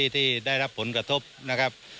ที่ได้รับผลกระทบนะครับ